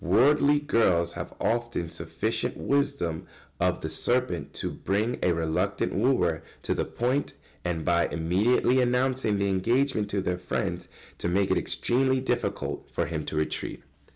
Worldly girls have often sufficient wisdom of the serpent to bring a reluctant wooer to the point and, by immediately announcing the engagement to their friends, to make it extremely difficult for him to retreat.